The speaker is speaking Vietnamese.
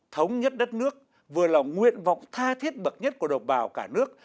thống nhất đất nước vừa là nguyện vọng tha thiết bậc nhất của đồng bào cả nước